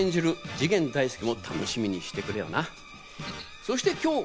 次元大介も楽しみにしてくれよな。